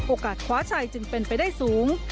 โอกาสคว้าชัยจึงเป็นไปได้สูง